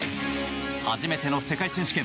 初めての世界選手権。